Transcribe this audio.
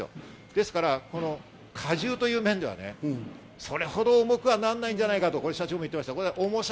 ですから過重という面ではそれほど重くはならないんじゃないかと社長も言ってました。